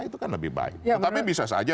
itu kan lebih baik tetapi bisa saja